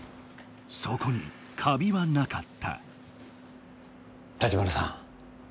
そこにカビはなかった橘さん